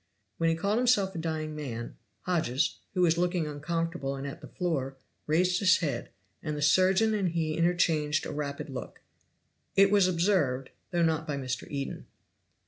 When he called himself a dying man, Hodges, who was looking uncomfortable and at the floor, raised his head, and the surgeon and he interchanged a rapid look; it was observed, though not by Mr. Eden.